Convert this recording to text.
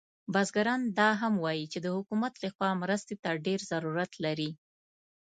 بزګران دا هم وایي چې د حکومت له خوا مرستې ته ډیر ضرورت لري